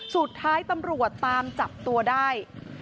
สุดท้ายตำรวจตามจับตัวได้